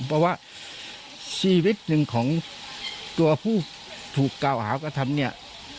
เพราะว่าชีวิตหนึ่งของตัวผู้ถูกกล่าวหากระทำเนี่ย